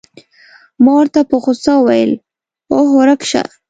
ما ورته په غوسه وویل: اوه، ورک شه.